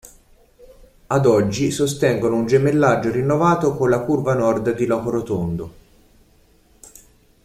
Ad oggi sostengono un gemellaggio rinnovato con la Curva Nord di Locorotondo.